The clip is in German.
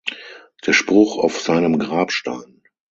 Der Spruch auf seinem Grabstein.